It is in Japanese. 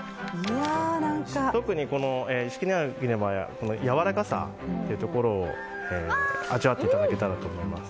特に一色うなぎの場合はやわらかさというところを味わっていただけたらと思います。